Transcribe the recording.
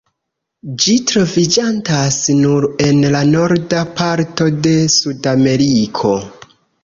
Ĝi troviĝantas nur en la norda parto de Sudameriko.